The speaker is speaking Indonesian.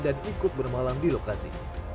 dan ikut bermalam di lokasi